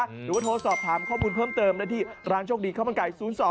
หรือว่าโทรสอบถามข้อมูลเพิ่มเติมได้ที่ร้านโชคดีข้าวมันไก่๐๒